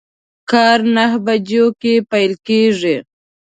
کار نهه بجو کی پیل کیږي